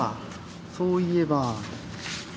そういえば。